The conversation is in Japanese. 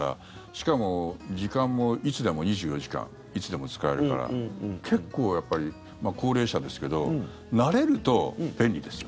しかも、時間もいつでも２４時間いつでも使えるから結構、高齢者ですけど慣れると便利ですよ。